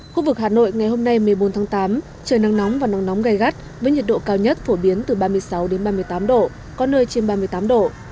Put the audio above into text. khu vực hà nội ngày hôm nay một mươi bốn tháng tám trời nắng nóng và nắng nóng gai gắt với nhiệt độ cao nhất phổ biến từ ba mươi sáu ba mươi tám độ có nơi trên ba mươi tám độ